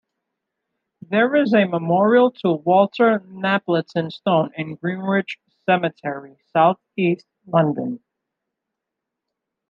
There is a memorial to Walter Napleton Stone in Greenwich Cemetery, south-east London.